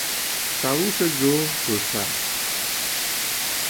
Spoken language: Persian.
سبوس جو دو سر